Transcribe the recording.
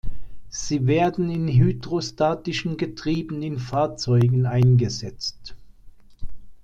Sie werden in hydrostatischen Getrieben in Fahrzeugen eingesetzt.